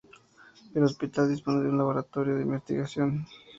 El hospital dispone de un laboratorio de investigación.